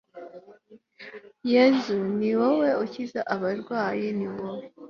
yezu ni wowe ukiza abarwayi, ni wowe